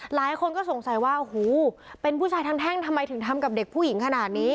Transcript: หลายคนก็สงสัยว่าโอ้โหเป็นผู้ชายทางแท่งทำไมถึงทำกับเด็กผู้หญิงขนาดนี้